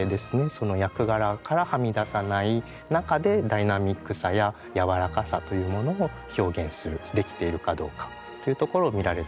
その役柄からはみ出さない中でダイナミックさややわらかさというものを表現するできているかどうかというところを見られてると思います。